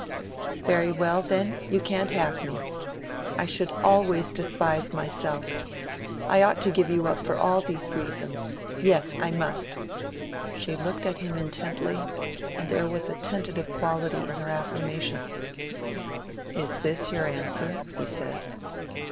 "Very well, then, you can't have me. I should always despise myself. I ought to give you up for all these reasons. Yes, I must." She looked at him intently, and there was a tentative quality in her affirmations. "Is this your answer?" he said.